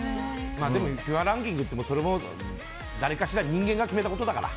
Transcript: でもＦＩＦＡランキングって人間が決めたことだから。